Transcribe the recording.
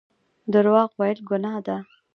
درواغ ویل ګناه ده